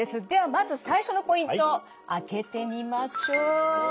ではまず最初のポイント開けてみましょう！